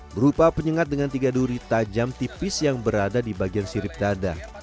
berupa penyengat dengan tiga duri tajam tipis yang berada di bagian sirip dada